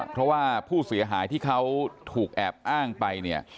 เพราะว่าผู้เสียหายที่เขาถูกแอบอ้างไปเนี่ย